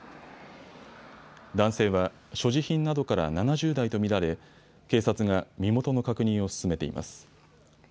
男性は所持品などから７０代と見られ警察が身元の確認を進めています。